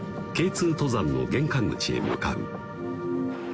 ２登山の玄関口へ向かう